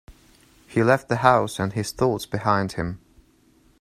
He left the house and his thoughts behind him.